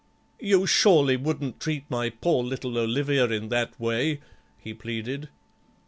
"You surely wouldn't treat my poor little Olivia in that way?" he pleaded.